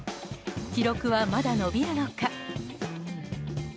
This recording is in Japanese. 記録はまだ伸びるのか。